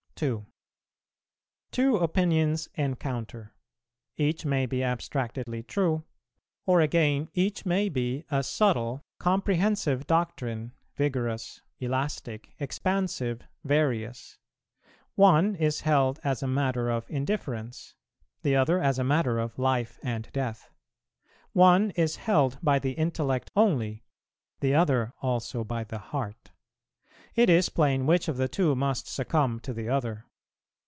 2. Two opinions encounter; each may be abstractedly true; or again, each may be a subtle, comprehensive doctrine, vigorous, elastic, expansive, various; one is held as a matter of indifference, the other as a matter of life and death; one is held by the intellect only, the other also by the heart: it is plain which of the two must succumb to the other.